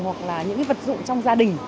hoặc là những vật dụng trong gia đình